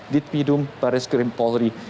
dipidum baris krim polri